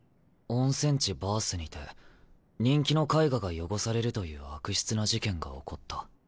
「温泉地バースにて人気の絵画が汚されるという悪質な事件が起こった。